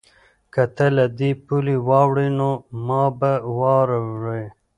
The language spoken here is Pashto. که ته له دې پولې واوړې نو ما به واورې؟